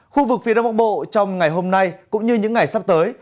khu vực phía đông bắc bộ trong ngày hôm nay cũng như những ngày sắp tới